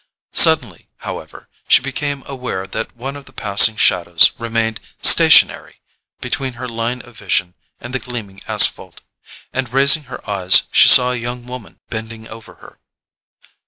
Suddenly, however, she became aware that one of the passing shadows remained stationary between her line of vision and the gleaming asphalt; and raising her eyes she saw a young woman bending over her.